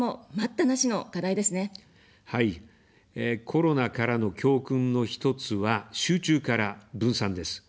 コロナからの教訓の一つは、集中から分散です。